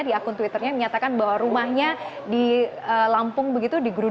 di akun twitternya menyatakan bahwa rumahnya di lampung begitu